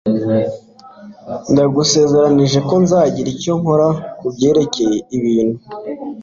Ndagusezeranije ko nzagira icyo nkora kubyerekeye ibintu.